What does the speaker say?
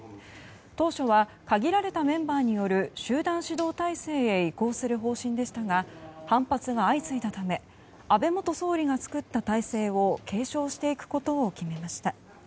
当初は、限られたメンバーによる集団指導体制へ移行する方針でしたが反発が相次いだため安倍元総理が作った体制を継承していくことを決めました。